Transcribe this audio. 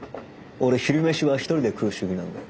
俺昼飯は一人で食う主義なんで。